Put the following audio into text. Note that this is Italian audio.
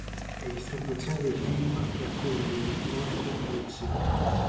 La distribuzione del film è a cura dell'Ipnotica Produzioni.